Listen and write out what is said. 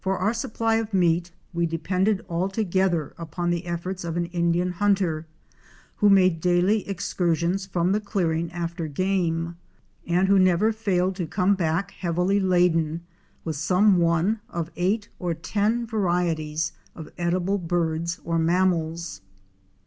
ee our supply of meat we depended altogether upon the efforts of an Indian hunter who made daily excur sions from the clearing after game, and who never failed to come back heavily laden with some one of eight or ten varieties of edible birds or mammals.